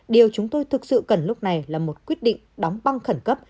điều chúng tôi thực sự cần lúc này là một quyết định đóng băng khẩn cấp